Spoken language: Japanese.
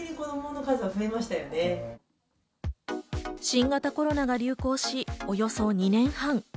新型コロナが流行し、およそ２年半。